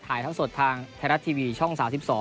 ทั้งสดทางไทยรัฐทีวีช่อง๓๒